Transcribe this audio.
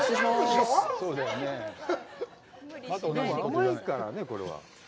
甘いからね、これは。